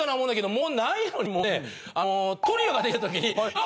もうないのにもうねトリオが出たときに。